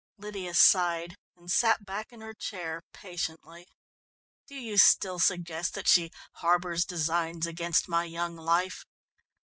Lydia sighed and sat back in her chair patiently. "Do you still suggest that she harbours designs against my young life?"